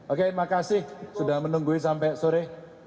oke makasih sudah menunggu sampai sore